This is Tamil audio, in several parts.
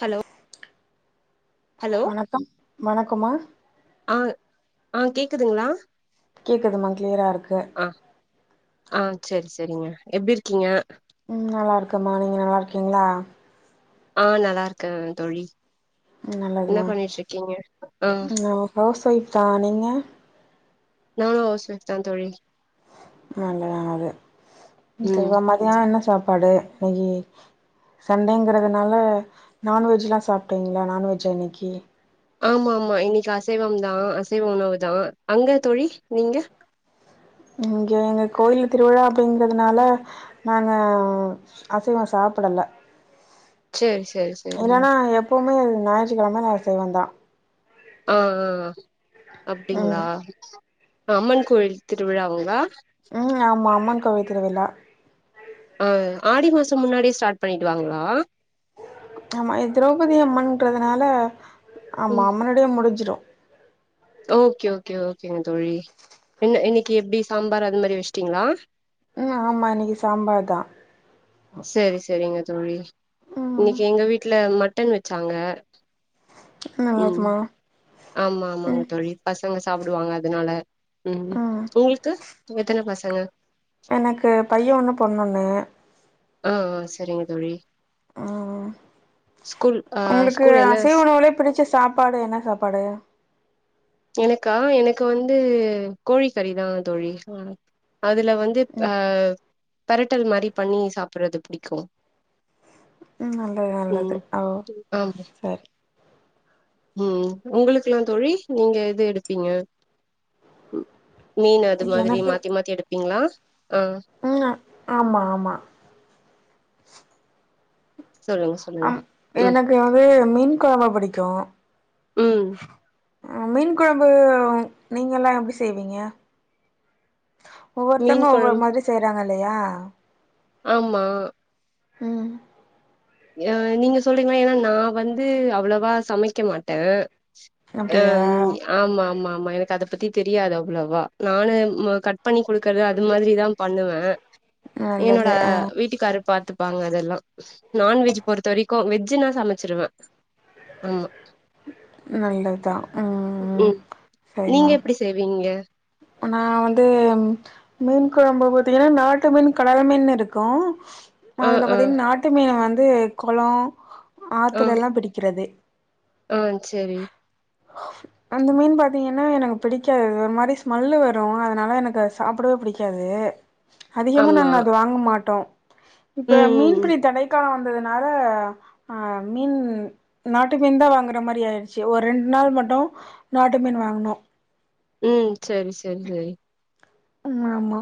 ஹலோ ஹலோ வணக்கமா ஆ ஆ‌ கேக்குதுங்ளா கேக்குதுமா கிளியரா இருக்கு ஆ ஆ சேர் செரிங்க எப்டி இருக்கீங்க ம் நல்லா இருக்கம்மா நீங்க நல்லா இருக்கீங்ளா ஆ நல்லாருக்க தோழி ம் நல்லது என்ன மா பண்ணிட்டு இருக்கீங்க ஆ நா ஹவுஸ் ஒய்ஃப் தா நீங்க நானு ஹவுஸ் ஒய்ஃப் தா தோழி ம் [unintelligible] மதியானோ என்ன சாப்பாடு னிக்கி சண்டேன்ங்கறதுனால நான்வெஜ்லா சாப்டீங்ளா நான்வெஜ் இன்னைக்கி ஆமா ஆமா இன்னைக்கு அசைவம் தா அசைவ உணவு தா அங்க தோழி நீங்க இங்க கோயில் திருவிழா அப்டிங்கறனால நாங்க அசைவோ சாப்படல சேர் சேர் சே இல்லன்னா எப்பவுமே ஞாயிற்றுக்கிழம அசைவந்தா ஓ அப்டிங்ளா ம் அம்மன் கோவில் திருவிழாங்ளா ம் ஆமா அம்மன் கோயில் திருவிழா ஆ ஆடி மாசோ முன்னாடியே ஸ்டார்ட் பண்ணிடு வாங்ளா ஆமா திரௌபதி அம்மன்றதுனால ஆமா ம் முன்னாடியே முடிஞ்சிடு ஓகே ஓகே ஓகேங்க தோழி என்ன இன்னைக்கி எப்டி சாம்பார் அந்த மாரி வச்சுட்டீங்ளா ம் ஆமா இன்னைக்கு சாம்பார் தா சேர் செரிங்க தோழி ம் இன்னைக்கி எங்க வீட்ல மட்டன் வச்சாங்க ம் நல்லதுமா ஆமா ஆமாங்க ம் தோழி பசங்க சாப்டுவாங்க அதனால ம் உங்ளுக்கு எத்தன பசங்க எனக்கு பையன் ஒன்னு பொண்ணு ஒன்னு ஓ ஓ செரிங்க தோழி ம் ஸ்கூல் ஆ உங்களுக்கு ஸ்கூல் என்ன அசைவ ஸ் உணவுலே பிடிச்ச சாப்பாடு என்ன சாப்பாடு எனக்கா எனக்கு வந்து கோழிக் கறி தா தோழி‌ க அதுல வந்து அ ம் பிரட்டல் மாரி பண்ணி சாப்பறது பிடிக்கு ம் நல்லது நல்லது ஓ ஆமா சேர் ம் உங்களுக்கல்லா தோழி நீங்க எது எடுப்பீங்க மீன் அது மாதிரி எனக்கு மாத்தி மாத்தி எடுப்பீங்ளா ஆ ம் ஆமா ஆமா சொல்லுங்க அ சொல்லுங்க ம் எனக்கு வந்து மீன் குழம்பு பிடிக்கோ ம் மீன் குழம்பு நீங்கல்லா எப்டி செய்வீங்க ஒவ்வொருத்தவங்க மீன் ஒவ்வொரு கொழம்பு மாரி செய்யிறாங்க இல்லயா ஆமா ம் அ நீங்க சொல்றீங்களா ஏன்னா நான் வந்து அவ்வளவா சமைக்க மாட்டன் அ அப்டியா ஆமா ஆமா ஆமா எனக்கு அத பத்தி தெரியாது அவ்வளவா நானு கட் கட் பண்ணி கொடுக்கறது அது மாதிரிதான் பண்ணுவன் என்னோட நல்லது ஆ வீட்டுக்காரு பாத்து ப்பாங்க அதெல்லாம் நான்வெஜ் பொறுத்த வரைக்கும் வெஜ்ன்னா சமச்சிருவேன் ஆமா நல்லதான் ம் நீங்க எப்டி செய்வீங்க நா வந்து மீன் குழம்பு பாத்தீங்கன்னா நாட்டு மீன் கடல் மீன் இருக்கும் ஆ அதுல ஆ பாத்தீங்கன நாட்டு மீன் வந்து கொளொம் ஆத்துலாம் பிடிக்கிறது அ செரி அந்த மீன் பாத்தீங்கன்னா எனக்கு பிடிக்காது ஒரு மாரி ஸ்மெல்லு வரும் அதனால எனக்கு சாப்டவே புடிக்காது அதிகமா ஆமா நாங்க அது வாங்க மாட்டோம் இப்ப ம் ம் மீன்பிடி தடைக்க காலம் வந்ததுனால அ மீன் நாட்டு மீன் தான் வாங்கற மாரி ஆயிருச்சு ஒரு ரெண்டு நாள் மட்டும் நாட்டு மீன் வாங்கணும் ம் செரி செரி செரி ம் ஆமா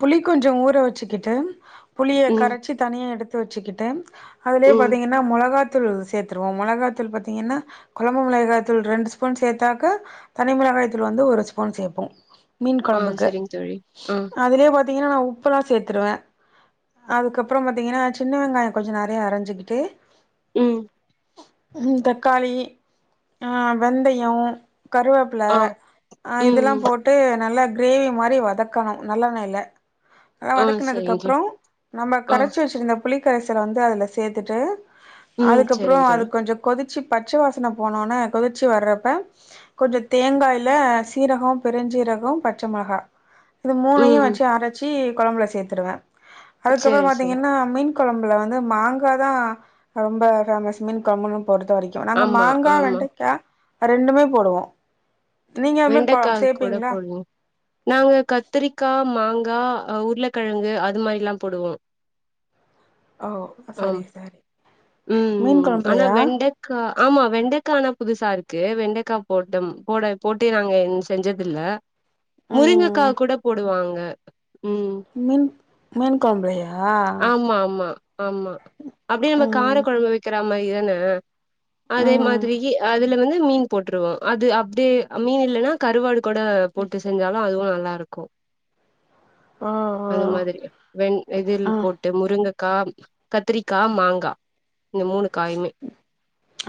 புளி கொஞ்ஜோம் ஊற வச்சுக்கிட்டு புளிய ம் கரச்சி தனியா எடுத் து வச்சுக்கிட்டு அதுலயே ம் பாத்தீங்கன்னா மொளகா தூள் சேத்துருவோம் மொளகாதூள் பாத்தீங்கன்னா கொழம்பு மொகாய்தூள் ரெண்டு ஸ்பூன் சேத்தாக்க தனிமொளகாய்த்துல வந்து ஒரு ஸ்பூன் சேப்போம் ஆ செரிங்க தோழி ஆ அதுலே பாத்தீங்கன்னா ந உப்புலாம் சேத்துருவேன் அதுக்கப்பறம் பாத்தீங்கன்னா சின்ன வெங்காயம் கொஞ்ஜோம் நெறைய அரைஞ்சிக்கிட்டு ம் ம் தக்காளி வெந்தயம் கருவே ப்பில ஆ அ ம் ம் இதெல்லாம் போட்டு நல்ல கிரேவி மார் ரி வதக்கொணும் நல்லெண்ணய்ல நல்லா ஆ வதக்கனதுக்கு செரிங்க தோழி அப்பறோம் நம்ப ஆ கரச்சி வச்சிருந்த புளி கரைசல வந்து அதுல சேத்துட்டு ம் அதுக்கப்பறோம் செரிங்க அது தோழி கொஞ்ஜோம் கொதிச்சு பச்ச வாசன போனவுனே கொதிச்சு வரப்ப கொஞ்ஜோம் தேங்காயில சீரகொம் பெருஞ்சீரகொம் பச்ச மொளகா இது மூணையும் ம் வச்சு அரச்சி கொழம்புல சேத்துருவேன் அதுக்கப்பறோம் சரி சரி பாத்தீங்கன்னா மீன் கொழம்பல வந்து மாங்காதான் ரொம்ப ஃபேமஸ் மீன் கொழம்புனு பொறுத்த வரைக்கும் நாங்க ஆமா மாங்கா ஆமா வெண்டைக்கா ரெண்டுமே போடுவோம் நீங்க அது மாரி பா வெண்டக்கா கூட சேப்பீங்ளா போடுவோ நாங்க கத்திரிக்கா மாங்கா உருளக்கெழங்கு அது மாரிலாம் போடுவோம் ஓ ஆம் செரி செரி மீன் கொழம்புலையா க ஆமா வெண்டைக்கானா புதுசா இருக்கு வெண்டைக்கா போட்டம் போட போட்டே நாங்க இன்ஸ் செஞ்சதில்ல முருங்ககா ம் கூட போடுவாங்க ம் மீன் மீன் கொழம்புலையா ஆமா ஆமா ஆமா அப்டியே அந்த கார ம் கொழம்பு வக்கிறா மாரி தான அதே ம் மாதிரியே அதுல வந்து மீன் போட்ருவோ அது அப்டியே மீன் இல்லன்னா கருவாடு கூட போட்டு செஞ்சாலு அதுவு நல்லாருக்கு ஓ ஓ அது மாதிரியா வெண் இதில் ஆ போட்டு முருங்க க்கா கத்திரிக்கா மாங்கா இந்த மூணு காயுமே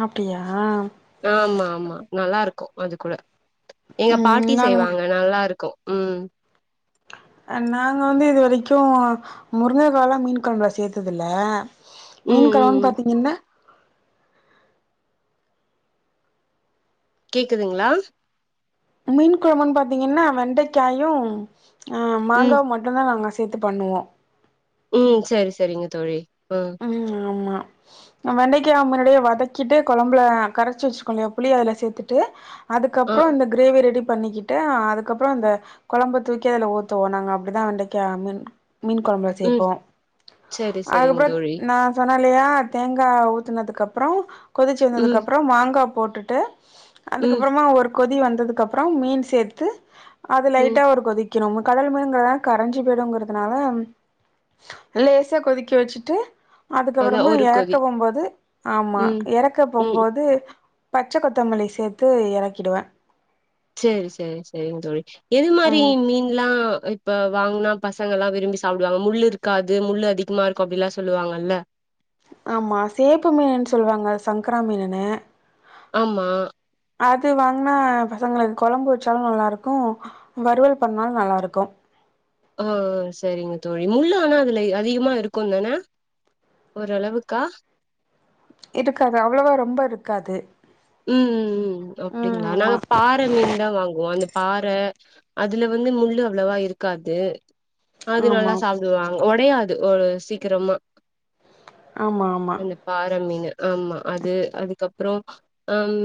அப்டியா ஆமா ஆமா நல்லாருக்கு அது கூட எங்க ம் பாட்டி நாங்க செய்வாங்க நல்லாருக்கு ம் நாங்க வந்து இது வரைக்கு முருங்ககாலா மீன் கொழம்புல சேத்ததில்ல ம் மீன் ம் கொழம்பு ம் பாத்தீங்கன்னா கேக்குதுங்ளா மீன் கொழம்புன் பாத்தீங்கன்னா வெண்டைக்காயு ஆ ம் மாங்காவு மட் டுந்தா நாங்க சேத்து பண்ணுவோ ம் செரி செரிங்க தோழி ம் ம் ஆமா வெண்டைக்காவ முன்னாடியே வதக்கிட்டு கொழம்புல கரச்சு வச்சுக்கனு புளிய அதுல சேத்துட்டு ஆ அதுக்கப்பறோ இந்த கிரேவி ரெடி பண்ணிக்கிட்டு அதுக்கப்பறோ இந்த கொழம்ப தூக்கி அதுல ஊத்துவோ நாங்க அப்டிதா வெண்டைக்கா மீன் மீன் கொழம்புல ம் சேப்போ சரி சரிங்க அதுக்கப்பறோ தோழி நா சொன்ன இல்லயா தேங்கா ஊத்துனதுக்கு அப்பறோ கொதுச்சு வந்ததுக்கு ம் அப்பறோ மாங்கா போட்டுட்டு ம் அதுக்கப்பறமா ஒரு கொதி வந்ததுக்கு அப்பறம் மீன் சேத்து அது ம் லைட்டா ஒரு கொதிக்கணும் கடல் மீனுங்கறதுனால கரஞ்சு போய்டுங்கிறதுனால லேசா கொதிக்க வச்சுட்டு அதா அதுக்கப்பறமா ஒரு எறக்க கொதி போம்போது ஆமா ம் எறக்க ம் போம்போது பச்ச கொத்தமல்லி சேத்து எறக்கிடுவே சேரி சேரி சேரிங் தோழி எது மாரி ம் மீன்லா இப் இப்ப வாங்னா பசங்கல்லா விரும்பி சாப்டுவங்க முள்ளு இருக்காது முள்ளு அதிகமா இருக்கு அப்டில்லா சொல்லுவாங்கல்ல ஆமா சேப்பு மீனுன்னு சொல்லுவாங்க சங்கரா மீனுன்னு ஆமா அது வாங்னா பசங்களுக்கு கொழம்பு வச்சாலு நல்லாருக்கு வறுவல் பண்ணாலு நல்லாருக்கு ஆ சரிங்க தோழி முள்ளு ஆனா அதுல அதிகமா இருக்குந் தான ஓரளவுக்கா இருக்காது அவ்வளவா ரொம்ப இருக்காது ம் ம் ம் ஓகேங்களா ம் ஆமா நாங்க பா ற மீன் தா வாங்குவோ அந்த பாற அதுல வந்து முள்ளு அவ்வளவா இருக்காது அது ஆமா நல்லா சாப்டுவாங்க ஒடையாது ஒரு சீக்கரமா ஆமா ஆமா பாற மீனு ஆமா அது அதுக்கப்றோ ம்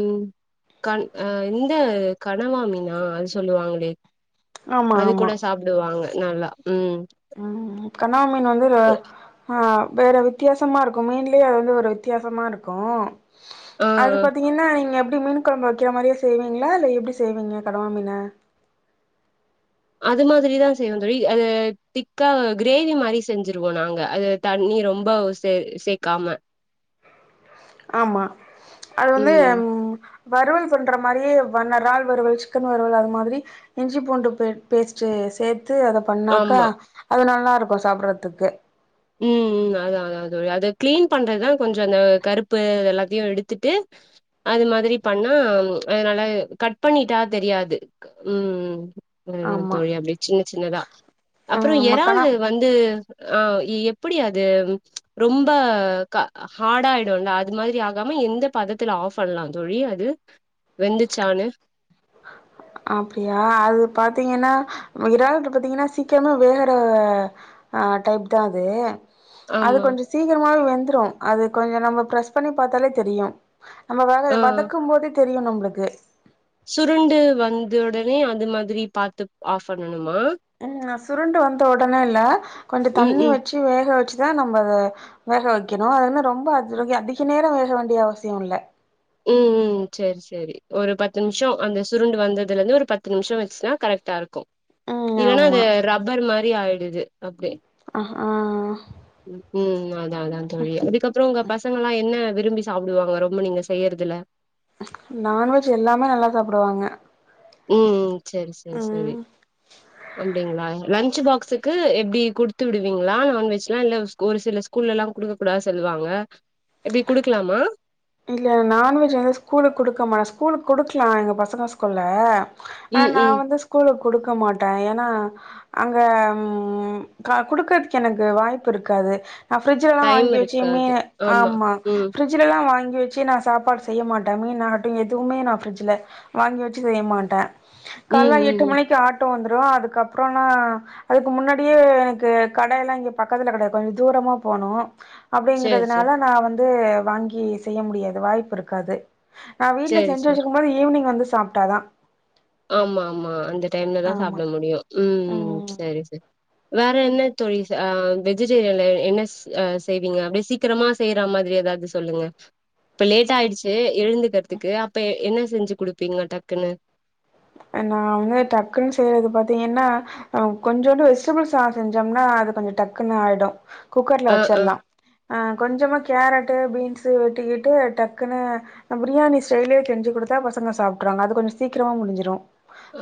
கண் அ இந்த கனவாமீனா அது சொல்லுவாங்களே ஆமா அது ஆமா கூட சாப்டுவாங்க நல்லா ம் ம் ம் கனாவ மீன் வந்து ர எ ஆ வேற வித்தியாசமா இருக்கு மீன்லயே அது வந்து ஒரு வித்தியாசமா இருக்கு ஆ அது ஆ பாத்தி தீங்கன்னா நீங்க எப்டி மீன் கொழம்ப வைக்கிற மாரியா செய்வீங்களா இல்ல எப்டி செய்வீங்க கனவா மீன அது மாதிரிதா செய்யவோ தோழி அது திக்கா கிரேவி மாரி செஞ்சுருவோ நாங்க அது தண்ணி ரொம்ப சே சேக்காம ஆமா அது வந்து ம் வறுவல் பண்ற மாரியே பண்ண ரால் வறுவல் சிக்கன் வறுவல் அது மாதிரி இஞ்சி பூண்டு பேஸ்ட் சேத்து அத பண்ணாக்கா ஆமா அது நல்லாருக்கு சாப்புறதுக்கு ம் ம் அதாதா அதா அது கிளீன் பண்றதுதா கொஞ்சோ அந்த கருப்பு எல்லாத்தையு எடுத்துட்டு அது மாதிரி பண்ணா ம் அதனால கட் பண்ணிட்டா தெரியாது கா ம் ம் அதுதா ஆமா தோழி அப்டி சின்ன சின்னதா அப்புறோ ம் இறால் மக்கனா வந்து ஆ எப்பிடி அது ரொம்ப கா ஹார்டாயிடும்ல அது மாதிரி ஆகாம எந்த பதத்துல ஆஃப் பண்ணலா தோழி அது வெந்துச்சானு அப்டியா அது பாத்தீங்கனா இறாலுக்கு பாத்தீங்கனா சீக்கிரமா வேகற ஆ டைப்தா அது அது ஆமா கொஞ்சோ சீக்கிரமாவே வெந்துரு அது கொஞ்சோ நம்ம ப்ரஸ் பண்ணி பாத்தாலே தெரியு நம்ம வ ஆ வதக்கும் போதே தெரியு நம்பளுக்கு சுருண்டு வந்த ஒடனே அது மாதிரி பாத்து ஆஃப் பண்ணனுமா ம் நா சுருண்டு வந்த ஒடனே இல்ல கொஞ்சோ ம் தண்ணி ம் வச்சு வேக வச்சுதா நம்ம வேக வைக்கணு அதுன்ன ரொம்ப அத அதிக நேரோ வேக வேண்டிய அவசியோல்ல ம் ம் செரி செரி ஒரு பத்து நிமிஷோ அந்த சுருண்டு வந்ததுலருந்து ஒரு பத்து நிமிஷோ வச்சுனா கரெக்டாருக்கு ம் இல்லனா ஆமா அது ரப்பர் மாரி ஆயிடுது அப்டே ஆஹ ஆ ஆ ம் ஹும் அதா அதா தோழி அதுக்கப்புறோ உங்கப் பசங்கலா என்ன விரும்பி சாப்புடுவாங்க ரொம்ப நீங்க செய்யறதுல நான்வெஜ் எல்லாமே நல்லா சாப்பிடுவாங்க ம் ம் செரி செரி செரி அப்டிங்களா லன்ச் பாக்ஸுக்கு எப்டி குடுத்து விடுவீங்களா நான்வெஜ்லா இல்ல ஒரு சில ஸ்கூ கூல்லலா குடுக்க கூடாது சொல்வாங்க எப்டி குடுக்கலாமா இங்க நான்வெஜ் வந்து ஸ்கூலுக்கு குடுக்கமாட் ஸ்கூலுக்கு குடுக்கலா எங்க பசங்க ஸ்கூல்ல ஆனா ம் நா ம் வந்து ஸ்கூலுக்கு குடுக்க மாட்டே ஏனா அங்க ம் அ குடுக்கறதுக்கு எனக்கு வாய்ப்புருக்காது நா ஃப்ரிட்ஜ்லலா டைம் வாங்கி வச்சியுமே இருக்காது ஆமா ம் ஃப்ரிட்ஜ்லலா வாங் கி வெச்சு நா சாப்பாடு செய்ய மாட்டே மீன் ஆகட்டு எதுவுமே நா ஃபரிட்ஜ்ல வாங்கி வெச்சு செய்ய மாட்டே ம் கால்ல ம் எட்டு ம் மணிக்கு ஆட்டோ வந்துடு அதுக்கப்புறனா அதுக்கு முன்னாடியே எனக்கு கடையெல்லா இங்க பக்கத்துல கெடையாது கொஞ்ச தூரமா போனு சேரி சேரி அப்டிங்கறதுனால நா வந்து வாங்கி செய்ய முடியாது வாய்ப்பு இருக்காது நா வீட்ல சேரி செஞ்சு சேரி வெச்சுருக்கும்போது ஈவினிங் வந்து சாப்டாதா ஆமா ஆமா அந்த டைம்லதா ஆமா சாப்ட முடியு ம் சேரி சேரி வேற என்ன தோழி ச ஆ வெஜிடேரியன்ல என்ன ஸ் செய்வீங்க ரெசிபி சீக்கிரமா செய்ற மாதிரி ஏதாவது சொல்லுங்க இப்ப லேட்டாயிடுச்சு சு எழுந்துகிறதுக்கு அப்ப என்ன செஞ்சு குடுப்பீங்க டக்குனு நா வந்து டக்குனு செய்யறது பாத்தீங்கன்னா கொஞ்சோண்டு வெஜிடபிள்ஸ் சாதொ செஞ்சோம்னா அது கொஞ்ச டக்குன்னு ஆய்டு குக்கர்ல ஆ ஆ வச்சர்லா ஆ கொஞ்சமா கேரட்டு பீன்ஸு வெட்டிக்கிட்டு டக்குனு அ பிரியாணி ஸ்டைல்லே செஞ்சு குடுத்தா பசங்க சாப்ட்ருவாங்க அது கொஞ்ச சீக்கிரமா முடிஞ்சிரு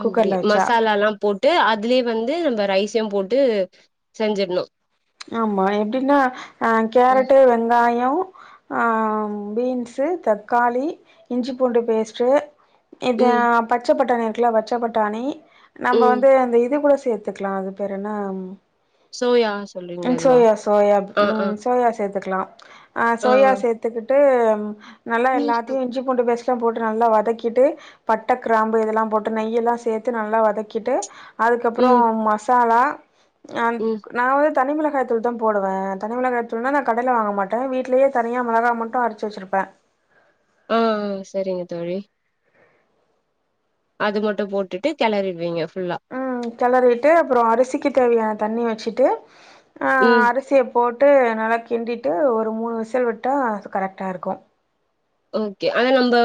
அப்டி குக்கர்ல வச்சா மசாலாலா போட்டு அதுலயே வந்து நம்ப ரைஸையு போட்டு செஞ்சர்ணு ஆமா எப்டினா அ ஆ கேரட்டு வெங்காயோ ஆ பீன்ஸு தக்காளி இஞ்சி பூண்டு பேஸ்ட்டு இது ம் பச்ச பட்டாணி இருக்குல பச்ச பட்டாணி நம்ம ம் வந்து அந்த இது கூட சேத் த்துக்கலா அது பேர் என்ன சோயாஸ் ம் சோயா சோயா ம் சோயா சேத்துக்கலா அ ஆ சோயா சேத்துக்கிட்டு நல்லா ம் எல்லாத்தயு இஞ்சி பூண்டு பேஸ்ட்லா போட்டு நல்லா வதக்கிட்டு பட்ட கிராம்பு இதெல்லா போட்டு நெய்ய எல்லா சேத்து நல்லா வதக்கிட்டு அதுக்கப்புறோ மசாலா ம் நா தனிமிளகாய் தூள் தா போடுவ தனிமிளகாய்தூள்னா நா கடைல வாங்க மாட்டே வீட்லயே தனியா மிளகா மட்டு அரச்சு வச்சிருப்ப அ அ சரிங்க தோழி அது மட்டு போட்டுட்டு கிளறிடுவீங்க ஃபுல்லா ம் கெளறிவிட்டு அப்றோ அரிசிக்கு தேவையான தண்ணி வச்சுட்டு ம் அரிசிய போட்டு நல்லா கிண்டிட்டு ஒரு மூணு விசில் விட்டா அது கரெக்டா இருக்கு ஓகே அதா நம்ப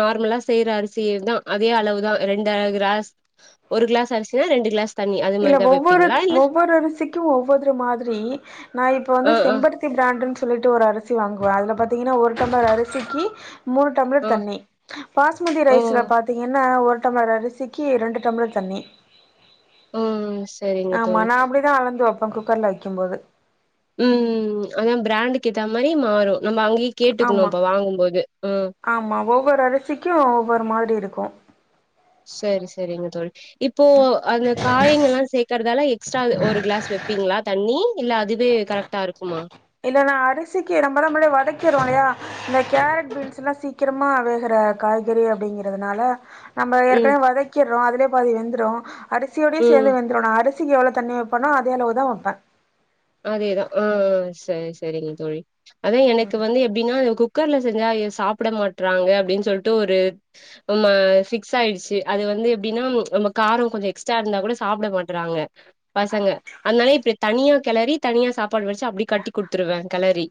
நார்மலா செய்ற அரிசியேதா அதே அளவுதா ரெண்ட கிராஸ் ஒரு கிளாஸ் அரிசினா ரெண்டு கிளாஸ் தண்ணி அது இல்ல மாரிதா ஒவ்வொரு வைப்பீங்களா இல்ல ஒவ்வொரு அரிசிக்கு ஒவ்வொரு மாதிரி நா இப்ப வந்து ஆ ஆ செம்பருத் திபிராண்ட்ன்னு சொல்லிட்டு ஒரு அரிசி வாங்குவ அதுல பாத்தீங்கன்னா ஒரு டம்ளர் அரிசிக்கு மூணு ஆ டம்ளர் தண்ணி பாஸ்மதி ஓ ரைஸ்ல பாத்தீங்கன்னா ஒரு டம்ளர் அரிசிக்கு ரெண்டு டம்ளர் தண்ணி ஓ சரிங்க ஆமா தோழி நா அப்டிதா அளந்து வப்ப குக்கர்ல வைக்கும் போது ம் ம் ம் அதா பிராண்டுக்கு ஏத்த மாரி மாறு நம்ம அங்கேயே கேட்டுக்குணு ஆமா இப்ப வாங்கும்போது அ ஆமா ஒவ்வொரு அரிசிக்கு ஒவ்வொரு மாரி இருக்கு சரி சரிங்க தோழி இப்போ அந்த காய்ங்கள்லா சேக்கறதால எக்ஸ்ட்ரா ஒரு கிளாஸ் வப்பீங்களா தண்ணி இல்ல அதுவே கரெக்ட்டா இருக்குமா இல்ல நா அரிசிக்கு நம்மதா முடியே வதக்கிறோ இல்லையா இந்த கேரட் பீன்ஸ்ல்லா சீக்கிரமா வேகுற காய்கறி அப்டிங்கறதுனால நம்ம ம் ஏற்கனவே வதக்கிர்றோ அதுலே பாதி வெந்துரு அரிசியோடியே ம் சேந்து வெந் துரு அரிசிக்கு எவ்ளோ தண்ணி வப்பனோ அதே அளவு தா வப்ப அதேதா ஆ சரி சரிங்க தோழி அதா எனக்கு வந்து எ ப்டின்னா அ குக்கர்ல செஞ்சா சாப்ட மாட்றாங்க அப்டின்னு சொல்ட்டு ஒரு நம்ம ஃபிக்ஸ் ஆயிடுச்சு அது வந்து எப்டின்னா நம்ம காரோ கொஞ்ச எக்ஸ்ட்ரா இருந்தா கூட சாப்ட மாட்றாங்க பசங்க அன்னால இப்ப தனியா கெளரி தனியா சாப்பாடு வச்சு அப்டி கட்டி குட்த்துருவ கெளரி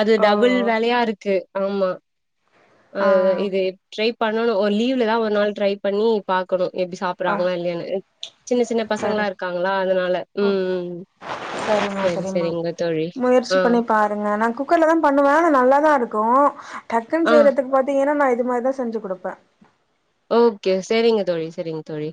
அது ஓ டபுள் வேலையா இருக்கு ஆமா அ ஆ இது ட்ரை பண்ணணு ஒரு லீவுல தா ஒரு நாள் ட்ரை பண்ணி பாக்கணு எப்டி சாப் ஆ ப்புறாங்களா இல்லையானு சின்ன சின்ன பசங்களா சரி இருக்காங்களா அதனால ம் சரிமா சரி சரிமா சரிங்க தோழி முயற்சி ஆ பண்ணிப் பா ங்க நா குக்கர்ல தா பண்ணுவ ஆனா நல்லா தா இருக்கு டக்குன் ஆ செய்யறதுக்கு ப த்திங்கனா நா இது மாரி தா செஞ்சு குடுப்ப ஓகே செரிங்க தோழி செரிங்க தோழி